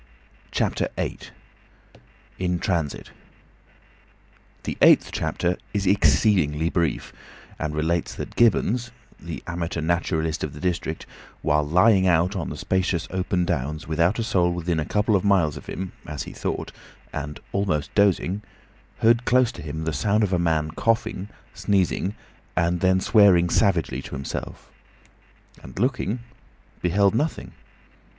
CHAPTER VIII. IN TRANSIT The eighth chapter is exceedingly brief, and relates that Gibbons, the amateur naturalist of the district, while lying out on the spacious open downs without a soul within a couple of miles of him, as he thought, and almost dozing, heard close to him the sound as of a man coughing, sneezing, and then swearing savagely to himself; and looking, beheld nothing.